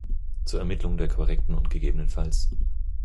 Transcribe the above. Zur Ermittlung der korrekten und ggf.